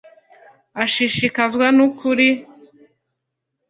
ashishikazwa n'ukuri